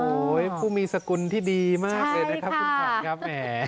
โอ้โหผู้มีสกุลที่ดีมากเลยนะครับคุณขวัญครับแหม